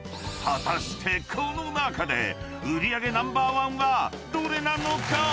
［果たしてこの中で売り上げナンバーワンはどれなのか⁉］